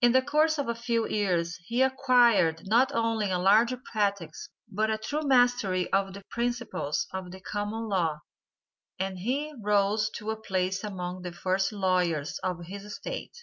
In the course of a few years he acquired not only a large practice but a thorough mastery of the principles of the common law, and he rose to a place among the first lawyers of his State.